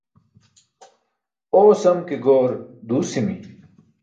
Oosam ke goor duusi̇mi̇.